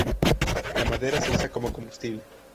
La madera se usa como combustible.